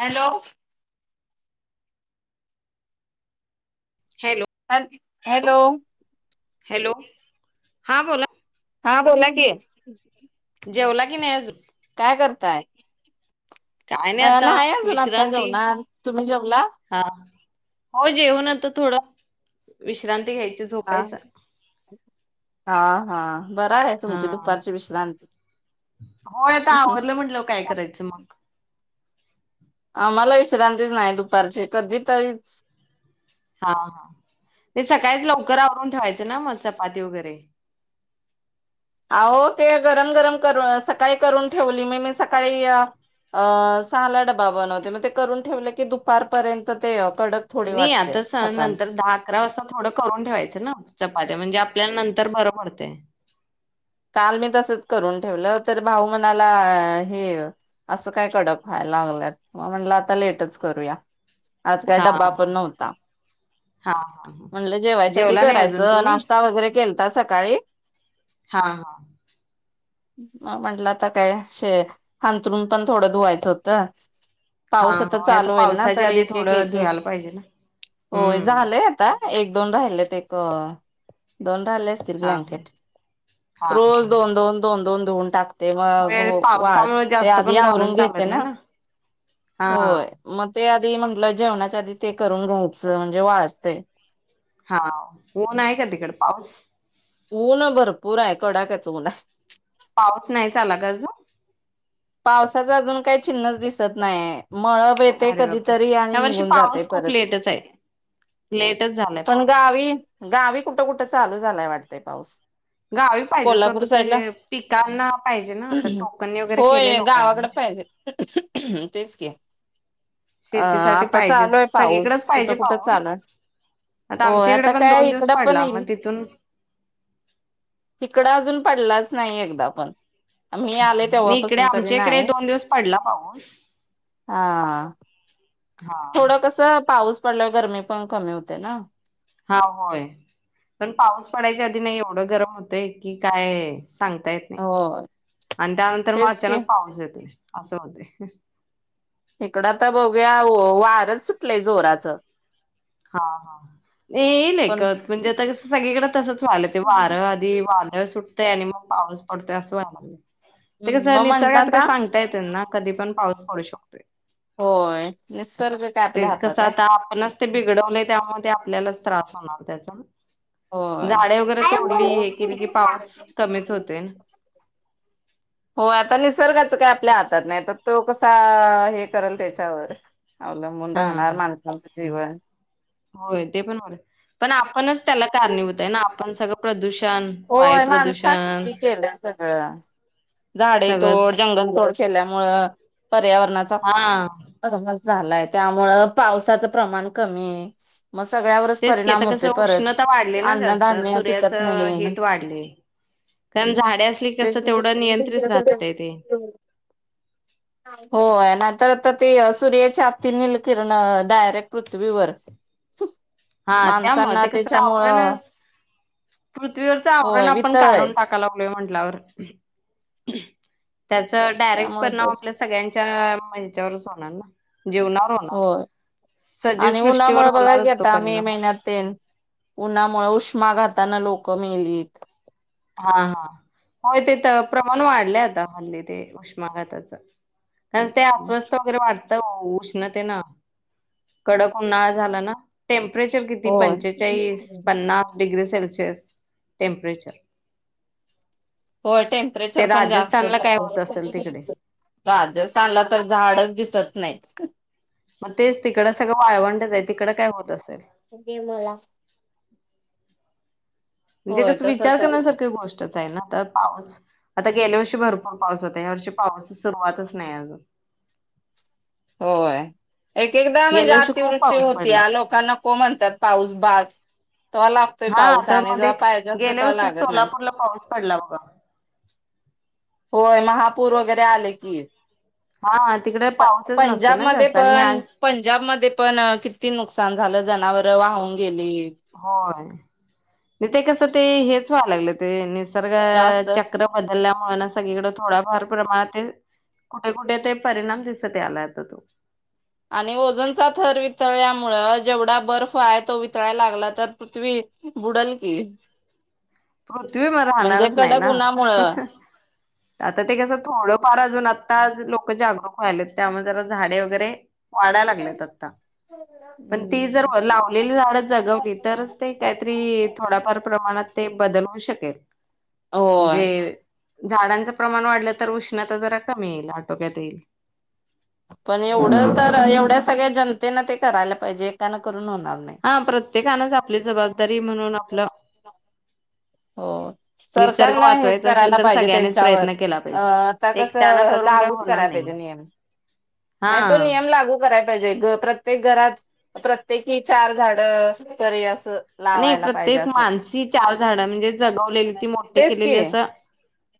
Hello hello ह hello hello हा बोला हा बोला की. जेवला की नाही अजून? काय करताय काय अ आता नाही अजून आता विश्रांती जेवणार तुम्ही जेवला? हा हो जेऊन आता थोडं विश्रांती घ्यायची. हा झोपायचं हा हा बर आहे. हा तुमची दुपारची विश्रांती. म्हटल्यावर काय करायचं मग. आम्हाला विश्रांतीच नाही दुपारची कधी तरीच. हा हा ते सकाळीच लवकर आवरून ठेवायचं ना मग चपाती वगैरे. अहो ते गरम गरम कर सकाळी करून ठेवली मी मी सकाळी या. अ सहाला डबा बनवते मग ते करून ठेवले की दुपारपर्यंत ते कडक थोडी नाही वाटते आताच सांग खाताना नंतर दहा अकरा वाजता थोडं करून ठेवायचं ना चपात्या म्हणजे आपल्याला नंतर बरं पडतेय. काल मी तसच करून ठेवलं तर भाऊ मनाला हे असं काय कडप व्हायला लागलंत मग म्हटलं आता लेटच करूया. आज काय हा हा डब्बा पण नव्हता. हा हा हा म्हणलं जेवायच्या आधी जेवला नाही अजून करायचं तुम्ही नाश्ता वगैरे केलता सकाळी. हा हा म्हटलं आता काये शे अंथरून पण थोडं धुवायचं होतं. हा पाऊस आता होय चालु होईल ना पावसाच्या तर आधी एक एक थोडं एक एक धुवायला पाहिजे ना होय हम्म झालंय आता. एक दोन राहिलेत एक दोन राहिले असतील हा हा ब्लँकेट. हा हा रोज दोन दोन दोन दोन धुन टकतो. ते मग होय वाढत पावसामुळे ते जास्त आधी पण घालून आवरून घेते चालत ना नाही हा होय. मग ते आधी म्हंटलं जेवणाच्या आधी ते करून घ्यायचं म्हणजे वाळते. हा ऊन आहे का तिकड पाऊस? ऊन भरपुर आहे कडाक्याच ऊन आहे पाऊस नाही झाला अजुन? पावसाचं अजुन काही चिन्हच दिसत नाहीय मळब येते कधीतरी आणि निघुन जाते परत. कसय. लेटच झालाय पण पाऊस. गावी गावी कुठं कुठं चालु झालाय वाटतय पाऊस. गावी पाहिजेच ओ कोल्हापूर आता ते साईडला पिकांना पाहिजे नाता टोकन वगैरे केले होय लोकांन. गावाकडे पाहिजे तेच की. अं शेतीसाठी आता पाहिजे चालुय पाऊस सगळीकडेच कुठं पाहिजे कुठं पाऊस चालु हो आमच्या इकडे आता पण काय दोन दिवस इकडं पण पडला येईल. मग तिथून हिकडं अजुन पडलाच नाही एकदा पण. मी हा आले नयी इकडे तेव्हापासून तरी आमच्या इकडे नाही. दोन दिवस पडला पाऊस. हा हा हा- हा थोडं कस पाऊस पडल्यावर गरमी पण कमी होते ना. हा होय पण पाऊस पडायच्या आधी नाही एवढं गरम होतंय की काय. सांगता येत नाही होय. आणि त्यानंतर मग तेच की अचानक पाऊस येतो असं होते. इकडं आता बघुया वारच सुटलंय जोराचं. हा हा नाही पण घरच आता सगळीकडे तसच वालं ते वारं हम्म वादळ सुटते आणि मग पाऊस पडत असं व मला. ते का मग निसर्ग म्हंटलं आता काय सांगताय त्यांना कधी पण पाऊस पडु शकतोय. होय निसर्ग काय ते आपल्या कसं हातात आहे. आता आपणच ते बिघडवले त्यामुळे ते आपल्यालाच त्रास होणार त्याचा. होय. झाडे वगैरे तोडली हे केली की पाऊस कमीच होते. हो आता निसर्गाच काय आपल्या हातात नाही तर तो कसा हे करल त्याच्यावर. अवलंबुन राहणार हा. माणसांचं जीवन. होय ते पण पण आपणच त्याला कारणीभूत आहे ना आपण सगळं प्रदूषण वायू होय माणसात प्रदूषण केलं सगळं. झाडे सगळंच तोड जंगल तोड केल्यामु पर्यावरणा हा. मज झालाय त्यामुळ पावसाचं प्रमाण कमी आहे. मग सगळ्यावरच तेच की आता परिणाम होते कसं परत अन्न धान्य पिकत नाही हिट वाढले. कारण झाडे असली ते कस तेवढं नियंत्रित राहतय ते होय नाहींतर आता ते सूर्याच्यापती निलकिरण डायरेक्ट पृथ्वीवर हा त्यामुळे माणसांना ते कसं त्याच्यामुळं आवरणच पृथ्वीवरच आवरण होय आपण वितळय काढून टाका लागलोय म्हंटल्यावर त्याचा डायरेक्ट त्यामुळे परिणाम तो आपल्या सगळ्यांच्या मच्यावरच होणार ना जीवनावर होणार. होय सजीव आणि सृष्टीवर उन्हामुळे बघा की होणारच तो आता मे परिणाम महिन्यात. उन्हामुळे उष्मा घाताना लोकं मिेलीत. हा हा होय ते तर प्रमाण वाढले आता हल्ली ते उष्माघाताचं कारण ते अस्वस्थ वगैरे वाढत. आता उष्णते ना कडक उना झाला ना. टेम्परेचर किती होय पंचेचाळीस पन्नास डिग्री सेल्शिअस टेम्परेचर. हो ते टेम्परेचर पण जास्त. राजस्थानला काय होत असेल तिकडे राजस्थानला तर झाडच दिसत नाहीत. मग तेच तिकडं सगळं वाळवंटच आहे तिकडं काय होत असेल गे मला. म्हणजे होय कस विचार तसच आहे करण्यासारख्या गोष्ट. पाऊस आता गेल्या वर्षी भरपूर पाऊस होता या वर्षी पाऊसा सुरुवातच नाही अजून. होय एक एकदा म्हणजे गेल्या वर्षी खूप अतिवृष्टी पाऊस होती पडला लोकांना. को म्हणतात पाऊस बास त म्हाला हा तर मध्ये गेल्या वर्षी नाही. सोलापूरला पाऊस पडला बघा. होय महापूर वगैरे आले की हा तिकडे पाऊसच नसतो ना जास्त आणि ह पंजाबमध्येध्ये पण किती नुकसान झालं जनावर वाहून गेली. होय नाही ते कस ते हेच व्हाय लागलं ते निसर्ग जास्त चक्र बदलल्यामुळे सगळीकड थोडाफार प्रमाणात कुठे कुठे ते परिणाम दिसत ते आलाता तो आणि ओजनचा थर वितळल्यामुळं जेवढा बर्फ आहे तो वितळायला लागला तर. पृथ्वी बुडाल की पृथ्वीही मला म्हणजे राहणारच नाही कडक ना उन्हामुळं आता ते कसं थोडंफार अजून आत्ता लोक जागरूक व्हायलेत त्यामुळे जरा झाड वगैरे वाढाय लागलेत अत्ता पण ती जर लावलेली झाडं जगवली तरच ते काहीतरी थोडाफार प्रमाणात ते बदलवू शकेल म्हणजे होय झाडांचं प्रमाण वाढलं तर उष्णता जरा कमी येईल आटोक्यात येईल. पण एवढं तर एवढ्या सगळ्या जनतेन ते करायला पाहिजे एकानां करून होणार नाही. हा प्रत्येकानच आपली जबाबदारी म्हणून आपलं हो. निसर्ग सरकारन हेच वाचवायचा करायला असेल तर पाहिजे सगळ्यांनीच त्यांच्यावर प्रयत्न केला अ ता पाहिजे एकट्यानं कसं करून काय लागूच होणार करायला नाही. पाहिजे नियम. [inaudible] नाय तो हा नियम लागू कराय पाहिजे ग प्रत्येक घरात प्रत्येकी चार झाड असं आणि लावायला पाहिजे प्रत्येक असं. मानसी चार झाडं म्हणजे जगवलेली ती मोठे तेच केलेली की असं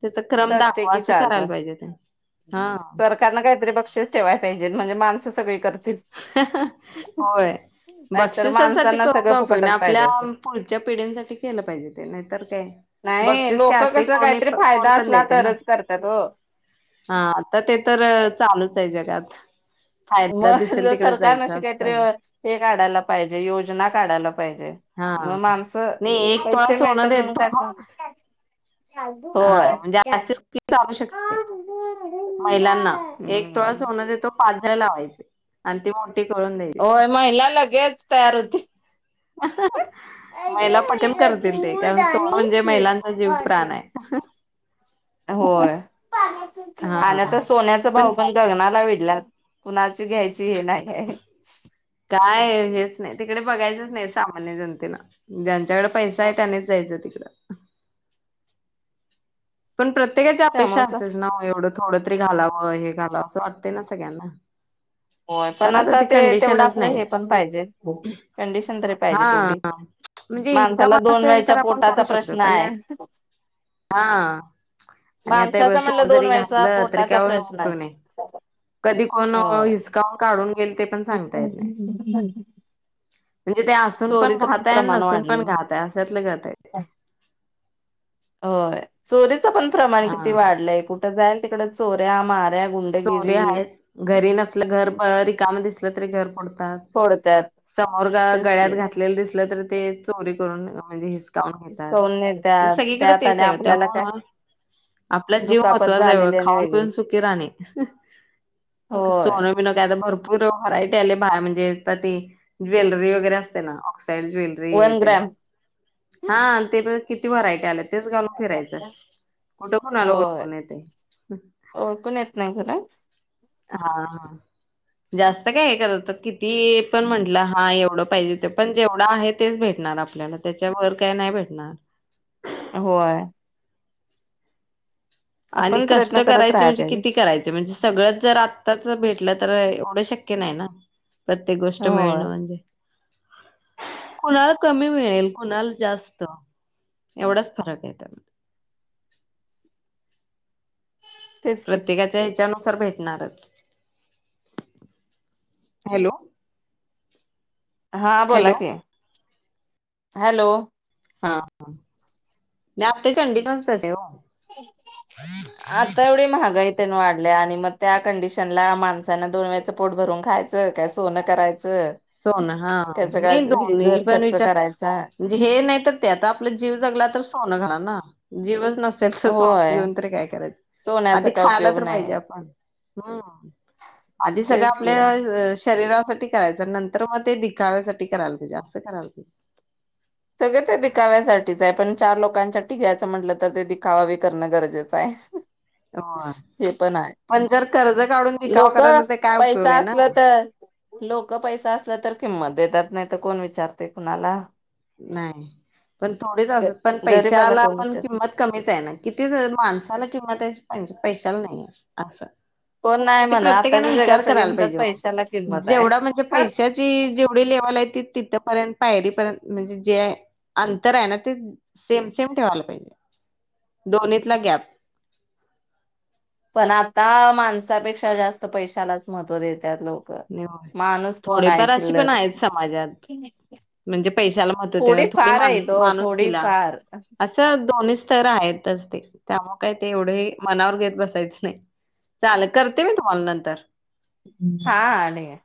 त्याच क्रम दाखवा प्रत्येकी असं करायला पाहिजे हा. सरकारला काहीतरी बक्षीस ठेवाय पाहिजे म्हणजे माणसं सगळी करतील. होय नाहीतर बक्षिसासाठी माणसांना सगळं कर फुकटच पाहिजे आपल्या असतं. पुढच्या पिढीसाठी केलं पाहिजे ते नाहीतर काय नाही बक्षीस लोक काय असे कसं कोणी काहीतरी कोण फायदा पण असला देतय ना? तरच करतात हो. हा आता ते तर चालूच आहे जगात. फायदा दिसेल मग तिकडे सरकारन जायचं अशी काहीतर असं आहे. हे काढायला पाहिजे योजना काढायला पाहिजे. हा मग माणसं नाही एक तोळा पैसे सोनं मिळतात म्हणून देतो काय पण हा होय. म्हणजे अशी स्कीम चालू शकते. महिलांना एक तोळा हम्म. सोन देतो पाच् झाडं लावायचे आणि ते ते कळून दे होय महिला लगेच तयार होती महिला पटन करतील ते दूध कारण सोन आणि म्हणजे महिलांचा जीव की प्राण शीत. आहे. [inaudible] होय हा. आणि आता सोन्याच भाऊ पण गगनाला विडल्यात कुणाची घ्यायची हे नाही काय हेच नाही तिकडे बघायचंच नाही सामान्य जनतेन. ज्यांच्याकड पैसा आहे त्यानीच जायचं तिकडं. पण प्रत्येकाची अपेक्षा त्यामुळेच असेच् ना एवढं थोडं तरी घालावं हे घालावं असं वाटते ना सगळ्यांना? होय पण आता ती ते तेवढं कंडिशनच आपलं नाही हे पण पाहिजे कंडिशन तरी पाहिजे हा तेवढी. म्हणजे इन्कम माणसाला दोन असेल वेळच्या तर आपण पोटाचा करू शकतो प्रश्न पण आहे. हा आणि आता हे ब माणसाचा म्हणलं सोन दोन जरी वेळचा घातलं तरी काय पोटाचा प्रश्न उपयोग आहे नाही. कधी कोण होय हिसकावून काढून घेईल ते पण सांगता येत नाही, म्हणजे ते असून पण चोरीचं घातय प्रमाण नसून पण वाढलंय घातय अशातल गत आहे ते. होय चोरीचं पण प्रमाण किती हा वाढलंय कुठं जाईल तिकड चोऱ्या माऱ्या गु चोरी आहेच घरी नसलं घर ब रिकाम दिसलं तरी घर फोडतात. फोडत्यात समोर ग तेच की गळ्यात घातलेलं दिसलं तर ते चोरी करून म्हणजे हेच हिसकावून घेतात नेत्यात सगळीकडे त्यात तेच आणि आहे ओ आपल्याला काय त्यामुळं आपला जीव दुखापत महत्वाचा आहे बगा झालेली आणि खाऊन वेगळी पिऊन सुखी राहणे होय सोन तुही नका आता भरपूर वरायटी आले बाया म्हणजे ती ज्वेलरी वगैरे असते ना ऑक्साइड ज्वेल री हे वन तेन ग्रॅम हा ते पण किती व्हरायटी आल्या तेच घालू फिरायचं कुठं कोणाला होय ओळखून येतय? ओळखून येत नाही खरं. हा. जास्त काय करत किती पण म्हंटलं हा एवढं पाहिजे ते पण जेवढं आहे तेच भेटणार आपल्याला. त्याच्यावर काय नाही भेटणार. होय. आणि आपण कष्ट प्रयत्न करत करायचे राहाय म्हणजे पाहिजे किती करायचे म्हणजे सगळंच जर आत्ताच भेटलं तर एवढं शक्य नाही ना प्रत्येक गोष्ट मिळणं होय म्हणजे. [unintelligible] कुणाला कमी मिळेल कुणाला जास्त एवढाच फरक आहे त्यात तेच की प्रत्येकाच्या ह्याच्यानुसार भेटणारच. हॅलो. हा बोला हॅलो की हॅलो. हा हा [unintelligible] तशी हो. [unintelligible] आता एवढी महागाईत तेन वाढल्या आणि मग त्या कंडिशनला माणसाांना दोन वेळचं पोट भरून खायचं. तर काय सोनं करायचं. सोन हा काय सगळा नाही दोन घर पण खर्च विचार करायचा म्हणजे हे नाही तर ते आता आपला जीव जगला तर सोनं झाल ना. जीवच नसेल तर सॉफ्ट होय घेऊन तरी काय करायचं सोन्याचा आधी काय खायला उपयोग तर पाहिजे नाही आपण. हम्म आधी सगळं तेच की आपल्या शरीरासाठी करायचं नंतर तर मग ते दिखाव्यासाठी कराल ते जास्त कराल ते. सगळे ते दिखाव्यासाठीच आहे पण चार लोकांसाठी घ्यायचं म्हटलं तर ते दिखावा बी करणं गरजेचं आहे. होय हे पण आहे जर कर्ज काढून दिखावा लोक करायला तर काय उपयोग पैसा आहे ना असलं तर लोक पैसा असल्या तर किंमत देतात नाही तर कोण विचारतय कुणाला. नाही पण थोडीच ग असत पण गरीबाला पैशाला कोण पण विचारते किंमत कमीच आहे ना कितीच माणसाला किंवा त्या पैशाला नाही असं. कोण नाही ते म्हणा प्रत्येकाने आताच्या विचार जगात सगळे करायला म्हणतात पैशाला पाहिजे किंमत आहे. जेवढा म्हणजे पैशात जी जेवढी लेवल आहे ती तिथपर्यंत पायरीपर्यंत म्हणजे जे अंतर आहे ना ते सेम सेम ठेवायला पाहिजे. दोनतला गॅप. पण आता माणसापेक्षा जास्त पैशालाच महत्व देतात लोक माणूस कोण आहे थोडेफार अशी पण चिल्लर आहेत समाजात म्हणजे पैशाला महत्व थोडी फार मा- आहे तो माणूस थोडी कीला फार अस. चल दोन्ही स्तर आहेतच ते त्यामुळे काय ते एवढे मनावर घेत बसायचं नाही. चाले करते मी तुम्हाला नंतर. हा ठीक ये.